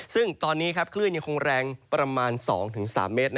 ซึ่งตอนนี้คลื่นยังคงแรงประมาณ๒๓เมตร